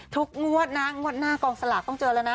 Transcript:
งวดนะงวดหน้ากองสลากต้องเจอแล้วนะ